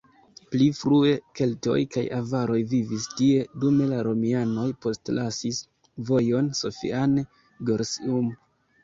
Pli frue keltoj kaj avaroj vivis tie, dume la romianoj postlasis vojon Sophiane-Gorsium.